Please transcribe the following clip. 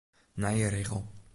Nije rigel.